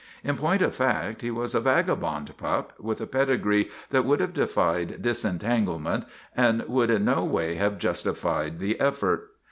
In point of fact he was a vaga bond pup with a pedigree that would have defied disentanglement and would in no way have justified the effort.